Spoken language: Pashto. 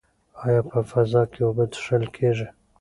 ایا په فضا کې اوبه څښل کیږي؟